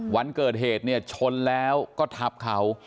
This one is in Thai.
วันเกิดเหตุเนี่ยชนแล้วก็ทับเขา